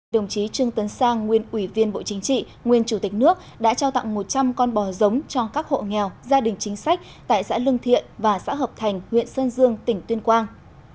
đồng chí trương tấn sang nguyên ủy viên bộ chính trị nguyên chủ tịch nước đã trao tặng một trăm linh con bò giống cho các hộ nghèo gia đình chính sách tại xã lương thiện và xã hợp thành huyện sơn dương tỉnh tuyên quang